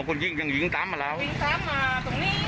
อ๋อคุณยิงยังยิงตามมาแล้วยิงตามมาตรงนี้